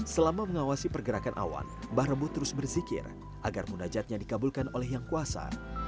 selama mengawasi pergerakan awan mbah rebo terus berzikir agar munajatnya dikabulkan oleh yang kuasa